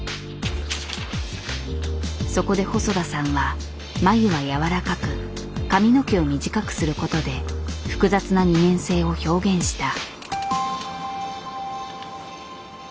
そこで細田さんは眉は柔らかく髪の毛を短くする事で複雑な二面性を表現した。